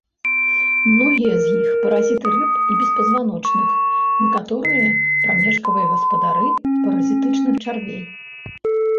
Многія з іх паразіты рыб і беспазваночных, некаторыя прамежкавыя гаспадары паразітычных чарвей.